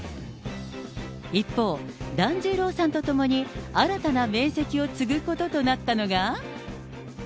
一方、團十郎さんと共に新たな名跡を継ぐことになったのが。